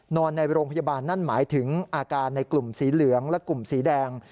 นอนในโรงพยาบาลนั่นหมายถึงอาการในกลุ่มสีเหลืองและกลุ่มสีแดง